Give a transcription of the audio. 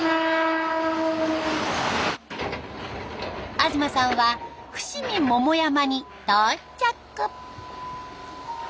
東さんは伏見桃山に到着。